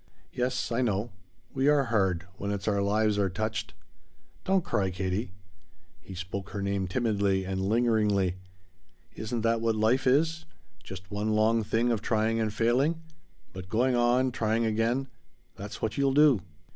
"Yes I know. We are hard when it's our lives are touched. Don't cry, Katie." He spoke her name timidly and lingeringly. "Isn't that what life is? Just one long thing of trying and failing? But going on trying again! That's what you'll do."